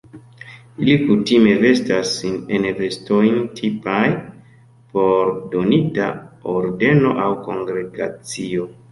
Ili kutime vestas sin en vestojn tipaj por donita ordeno aŭ kongregacio.